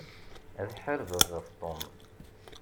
Ad ḥarbeɣ ɣef Tom.